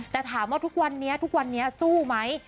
แต่ถามว่าทุกวันนี้ทุกวันนี้สู้ไหม